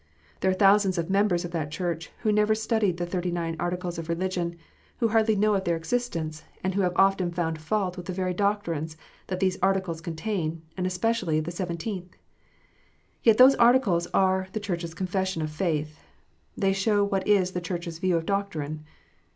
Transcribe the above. There are thousands of members of that Church who never studied the Thirty nine Articles of Religion, who hardly know of their existence, and who have often found fault with the very doctrines that these Articles contain, and especially the Seven teenth. Yet those Articles are the Church s Confession of faith. They show what is the Church s view of doctrine.